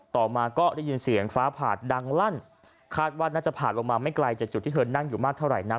ต่อมาก็ได้ยินเสียงฟ้าผ่าดังลั่นคาดว่าน่าจะผ่านลงมาไม่ไกลจากจุดที่เธอนั่งอยู่มากเท่าไหร่นัก